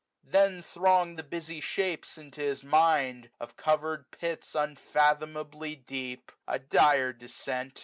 Then throng the busy shapes into his mind. Of covered pits, unfathomably deep, A dire descent